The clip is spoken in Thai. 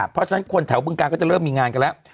เพราะฉะนั้นคนแถวบึงการก็จะเริ่มมีงานกันแล้ว